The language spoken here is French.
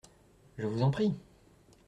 Je vous en prie !